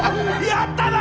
やったぞ！